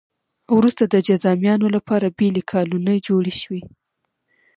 وروسته د جذامیانو لپاره بېلې کالونۍ جوړې شوې.